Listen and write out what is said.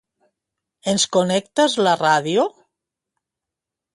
Ens connectes la ràdio?